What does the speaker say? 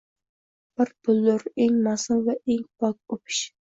Bir puldir eng ma’sum va eng pok o’pish